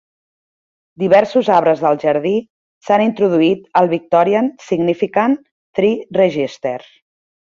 Diversos arbres del jardí s'han introduït al Victorian Significant Tree Register.